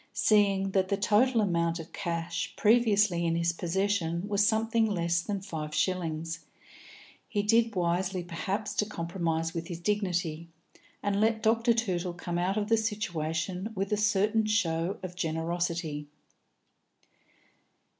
Seeing that the total amount of cash previously in his possession was something less than five shillings, he did wisely, perhaps, to compromise with his dignity, and let Dr. Tootle come out of the situation with a certain show of generosity.